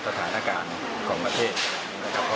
ผมคิดว่าถ้าเกิดการเลือกตั้งเรียบร้อย